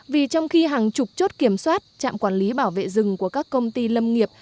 vì trong khi hàng chục chốt kiểm soát trạm quản lý bảo vệ rừng của các công ty lâm nghiệp